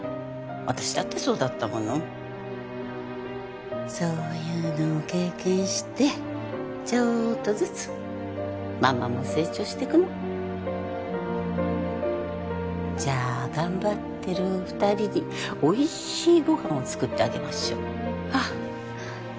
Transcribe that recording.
私だってそうだったものそういうのを経験してちょっとずつママも成長していくのじゃあ頑張ってる２人においしいごはんを作ってあげましょうあっ！